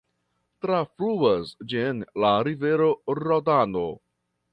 Trafluas ĝin la rivero Rodano.